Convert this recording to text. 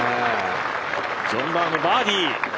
ジョン・ラーム、バーディー。